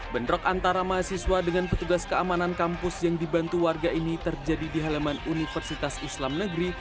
bentrok antara mahasiswa dengan petugas keamanan kampus yang dibantu warga ini terjadi di halaman universitas islam negeri